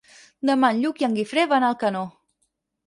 Demà en Lluc i en Guifré van a Alcanó.